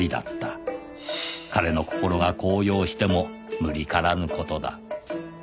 “彼”の心が高揚しても無理からぬ事だ